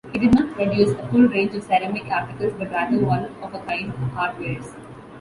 It did not produce a full range of ceramic articles but rather one-of-a-kind artwares.